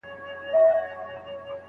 هغه هیڅکله د خپلي لور نظر نه دی رد کړی.